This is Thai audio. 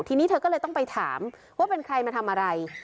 ทีนี้เธอก็เลยต้องไปถามว่าเป็นใครมาทำอะไร